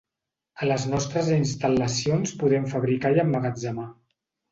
A les nostres instal·lacions podem fabricar i emmagatzemar.